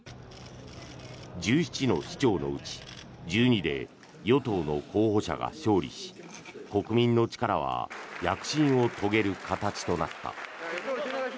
１７の首長のうち１２で与党の候補者が勝利し国民の力は躍進を遂げる形となった。